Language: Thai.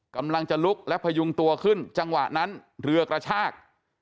กำลังจะลุกและพยุงตัวขึ้นจังหวะนั้นเรือกระชาก